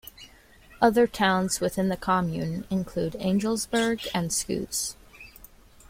Other towns within the commune include Angelsberg and Schoos.